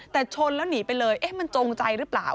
แต่ชนแล้วหนีไปเลยเอ๊ะมันจงใจหรือเปล่า